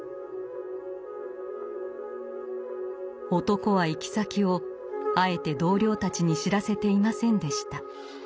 男は行き先をあえて同僚たちに知らせていませんでした。